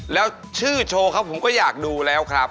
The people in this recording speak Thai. แล้วชื่อโชว์เขาผมก็อยากดูแล้วครับ